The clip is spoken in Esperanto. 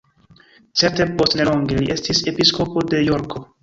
Certe post nelonge li estis episkopo de Jorko.